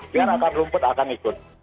biar akar rumput akan ikut